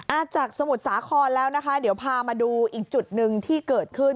จากสมุทรสาครแล้วนะคะเดี๋ยวพามาดูอีกจุดหนึ่งที่เกิดขึ้น